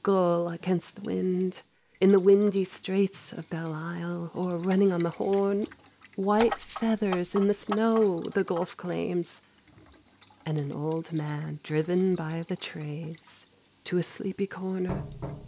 Gull against the wind, in the windy straits Of Belle Isle, or running on the Horn, White feathers in the snow, the Gulf claims, And an old man driven by the Trades To a sleepy corner.